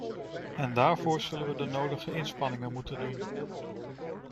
En daarvoor zullen we de nodige inspanningen moeten doen.